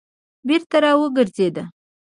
بېرته را وګرځېد.